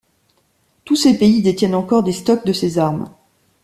Tous ces pays détiennent encore des stocks de ces armes.